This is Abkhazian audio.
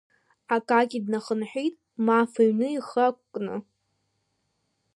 Акакьи днахынҳәит, Маф иҩны ихы ақәкны.